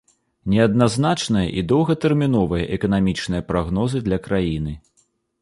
Неадназначныя і доўгатэрміновыя эканамічныя прагнозы для краіны.